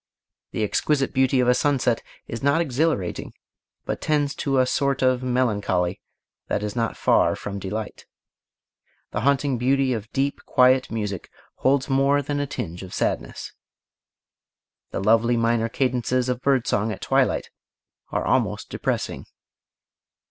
The exquisite beauty of a sunset is not exhilarating but tends to a sort of melancholy that is not far from delight The haunting beauty of deep, quiet music holds more than a tinge of sadness. The lovely minor cadences of bird song at twilight are almost depressing.